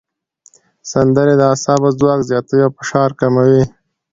سندرې د اعصابو ځواک زیاتوي او فشار کموي.